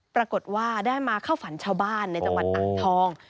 ปรากฏว่าได้มาเข้าฝันชาวบ้านในจังหวัดอ่างทอง